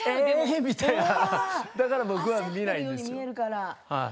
だから僕は見ないんです。